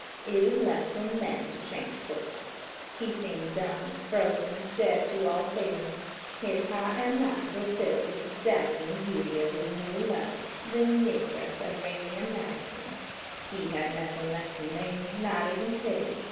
It is left for men to change quickly. He seemed dumb, frozen, dead to all feeling. His heart and mind were filled with the dazzling beauty of his new love–the Negress Aurelia Madison. He had nothing left for me–not even pity.